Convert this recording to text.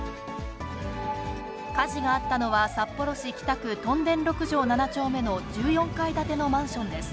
火事があったのは、札幌市北区屯田６条７丁目の１４階建てのマンションです。